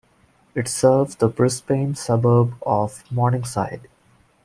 It serves the Brisbane suburb of Morningside.